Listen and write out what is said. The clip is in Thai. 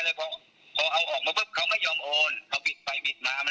อ่ะคุณพอเอาออกมาปุ๊บเงิน๔แสนโอนออกมา